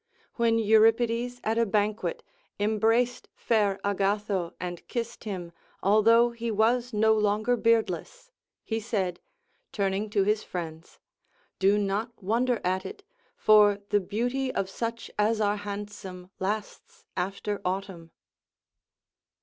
When Euripides at a banquet en^braced fair Agatho and kissed him, although he was no longer beardless, he said, turning to his friends : Do not wonder at it, for the beauty of such as are handsome lasts after autumn.